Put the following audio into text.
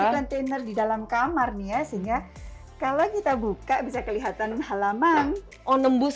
kontainer di dalam kamar nih ya sehingga kalau kita buka bisa kelihatan halaman oh nembus